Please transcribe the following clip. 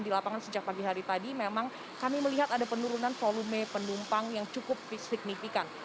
di lapangan sejak pagi hari tadi memang kami melihat ada penurunan volume penumpang yang cukup signifikan